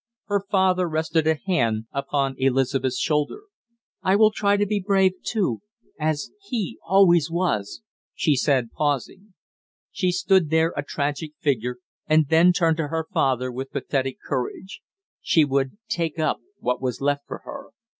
Her father rested a hand upon Elizabeth's shoulder. "I will try to be brave, too as he was always " she said pausing. She stood there, a tragic figure, and then turned to her father with pathetic courage. She would take up what was left for her.